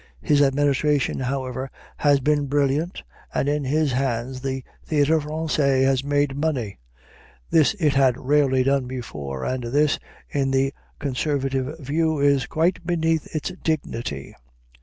His administration, however, has been brilliant, and in his hands the Théâtre Français has made money. This it had rarely done before, and this, in the conservative view, is quite beneath its dignity.